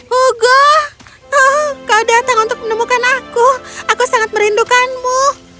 hugo kau datang untuk menemukan aku aku sangat merindukanmu